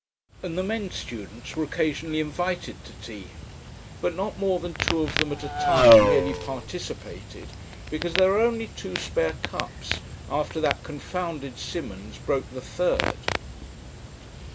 And the men students were occasionally invited to Tea. But not more than two of them at a time really participated, because there were only two spare cups after that confounded Simmons broke the third.